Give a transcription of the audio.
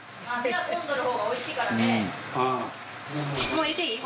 もう入れていい？